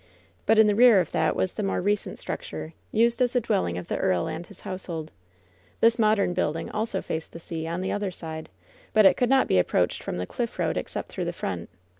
But in the rear of that was the more recent structure, used as the dwelling of the earl and his household. This modern building also faced the sea, on the other side, but it could not be ap proached from the cliff road except through the front.